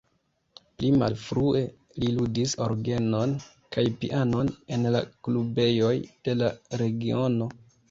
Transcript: Pli malfrue li ludis orgenon kaj pianon en la klubejoj de la regiono.